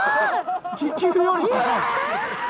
気球より高い。